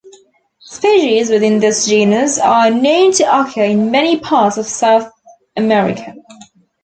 Species within this genus are known to occur in many parts of South America.